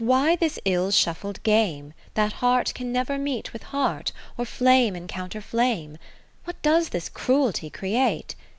Why this ill shuffled game. That heart can never meet with heart. Or flame encounter flame ? 40 What does this cruelty create